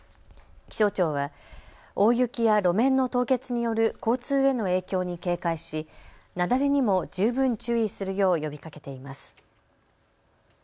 気象庁は大雪や路面の凍結による交通への影響に警戒し雪崩にも十分注意するよう呼びかけています。